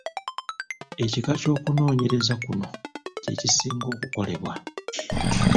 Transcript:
Ekika ky’okunoonyereza kuno kye kisinga okukolebwa.